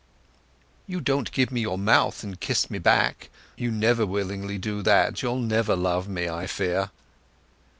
"You don't give me your mouth and kiss me back. You never willingly do that—you'll never love me, I fear."